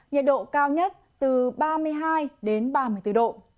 nhiệt độ cao nhất từ ba mươi hai đến ba mươi bốn độ